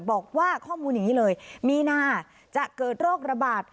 บอกว่าข้อมูลอย่างนี้เลยมีนาจะเกิดโรคระบาด